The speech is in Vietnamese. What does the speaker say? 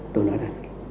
tôi nói là